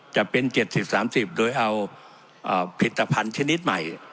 จะเป็น๗๐๓๐โดยเอาผลิตภัณฑ์ชนิดใหม่